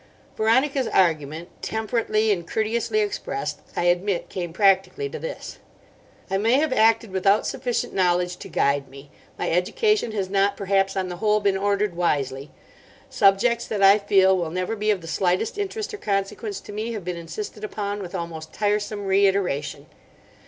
Veronica's argument, temperately and courteously expressed, I admit, came practically to this: "I may have acted without sufficient knowledge to guide me. My education has not, perhaps, on the whole, been ordered wisely. Subjects that I feel will never be of the slightest interest or consequence to me have been insisted upon with almost tiresome reiteration.